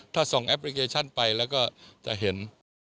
ถ้าส่งแอปพลิเคชันไปแล้วก็จะเห็น